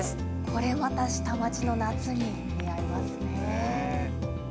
これまた下町の夏に似合いますね。